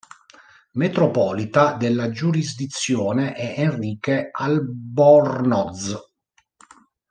Metropolita della giurisdizione è Enrique Albornoz.